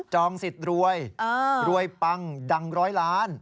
องสิทธิ์รวยรวยปังดังร้อยล้าน